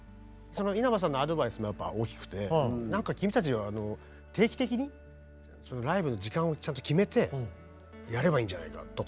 その稲葉さんのアドバイスもやっぱ大きくて何か君たちは定期的にそのライブの時間をちゃんと決めてやればいいんじゃないかとかいろんなアイデアを。